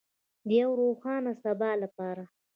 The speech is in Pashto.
د یو روښانه سبا لپاره.